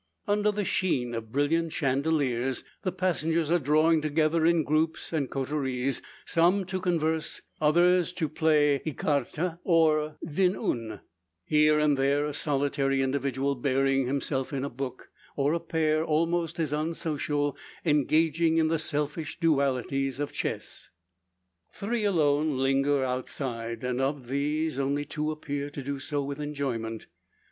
Under the sheen of brilliant chandeliers the passengers are drawing together in groups, and coteries; some to converse, others to play ecarte or vingt un; here and there a solitary individual burying himself in a book; or a pair, almost as unsocial, engaging in the selfish duality of chess. Three alone linger outside; and of these only two appear to do so with enjoyment.